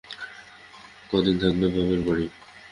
কদিন থাকবে বাপের বাড়ি?